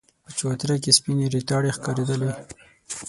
په چوتره کې سپينې ريتاړې ښکارېدلې.